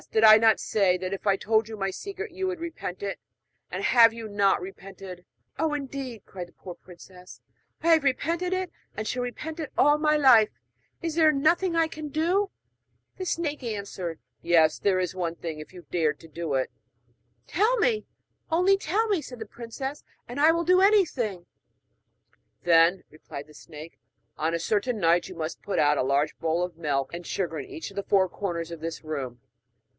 did I not say that if I told you my secret you would repent it? and have you not repented?' 'Oh, indeed!' cried the poor princess, 'I have repented it, and shall repent it all my life! Is there nothing I can do?' And the snake answered: 'Yes, there is one thing, if you dared to do it.' 'Only tell me,' said the princess, 'and I will do anything!' 'Then,' replied the snake, 'on a certain night you must put a large bowl of milk and sugar in each of the four corners of this room.